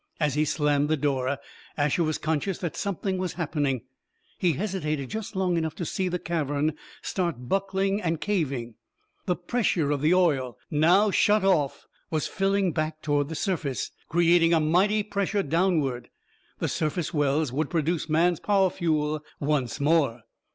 As he slammed the door, Asher was conscious that something was happening. He hesitated, just long enough to see the cavern start buckling and caving. The pressure of the oil, now shut off, was filling back toward the surface, creating a mighty pressure downward. The surface wells would produce man's power fuel once more.